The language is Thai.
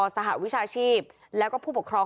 สหวัดวิชาชีพและผู้ผกครอง